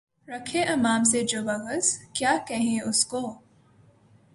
رکھے امام سے جو بغض، کیا کہیں اُس کو؟